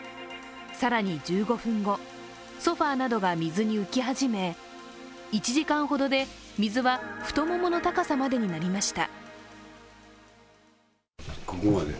更に１５分後、ソファーなどが水に浮き始め１時間ほどで、水は太ももの高さまでになりました。